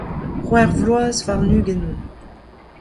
C'hwec'h vloaz warn-ugent on.